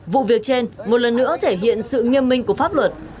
vụ việc trên một lần nữa thể hiện sự nghiêm minh của pháp luật